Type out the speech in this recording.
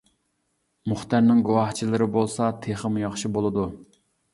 مۇختەرنىڭ گۇۋاھچىلىرى بولسا تېخىمۇ ياخشى بولىدۇ.